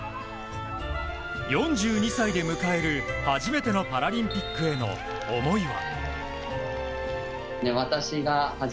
４２歳で迎える初めてのパラリンピックへの思いは。